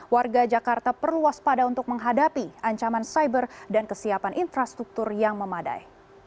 warga jakarta perlu waspada untuk menghadapi ancaman cyber dan kesiapan infrastruktur yang memadai